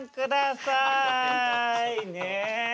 ねえ。